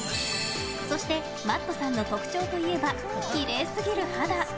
そしてＭａｔｔさんの特徴といえば、きれいすぎる肌。